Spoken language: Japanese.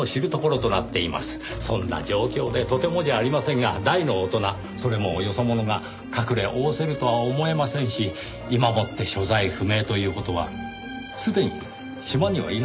そんな状況でとてもじゃありませんが大の大人それもよそ者が隠れおおせるとは思えませんし今もって所在不明という事はすでに島にはいないのではないかと。